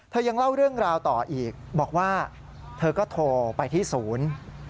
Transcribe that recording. ยังเล่าเรื่องราวต่ออีกบอกว่าเธอก็โทรไปที่ศูนย์